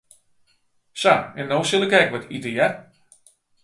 Sa, en no sil ik ek wat ite, hear.